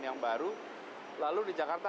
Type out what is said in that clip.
yang baru lalu di jakarta